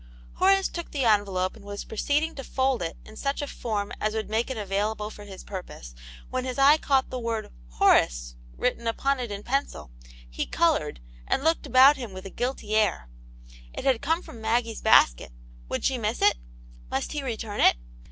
Horace took the envelope and was proceeding to fold it in such a form as would make it available for his purpose, when his eye caught the word " Horace " written upon it in pencil ; he coloured, and looked about him with a guilty air; it had come from Maggie's basket ; would she miss it ? must he return it?